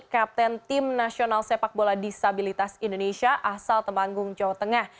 kapten tim nasional sepak bola disabilitas indonesia asal temanggung jawa tengah